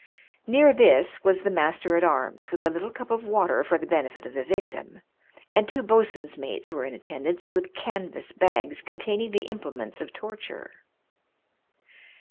Near this was the master at arms, with a little cup of water for the benefit of the victim ; and two boatswain's mates were in atten dance with canvas bags containing the implements of torture.